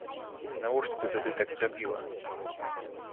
Навошта ты тады так зрабіла?